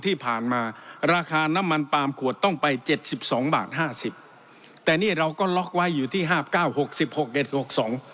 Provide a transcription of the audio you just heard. ที่ผ่านมาราคาน้ำมันปาล์มขวดต้องไปเจ็ดสิบสองบาทห้าสิบแต่นี่เราก็ล็อกไว้อยู่ที่ห้าเก้าหกสิบหกเอ็ดหกสอง